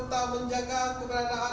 terima kasih pak